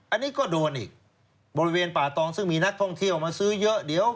อันนี้ก็โดนอีกบริเวณป่าตองซึ่งมีนักท่องเที่ยวมาซื้อเยอะเดี๋ยว